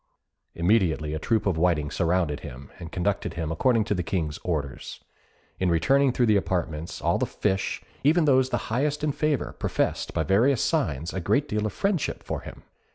Immediately a troop of whiting surrounded him, and conducted him according to the King's orders. In returning through the apartments all the fish, even those the highest in favour, professed, by various signs, a great deal of friendship for him.